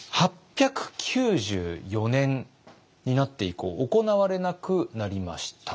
８９４年になって以降行われなくなりました。